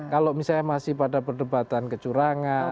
kalau misalnya masih pada perdebatan kecurangan